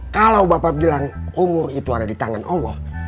kalau bapak bilang umur itu ada di tangan allah